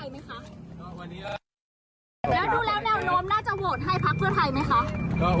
แล้วดูแล้วแนวโลมน่าจะโหดให้ภักดิ์เพื่อภัยไหมคะ